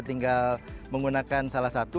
tinggal menggunakan salah satu